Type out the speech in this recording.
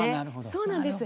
そうなんです。